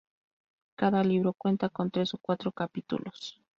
Cada libro cuenta con tres o cuatro capítulos.